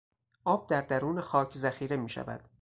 آب در درون خاک ذخیره میشود.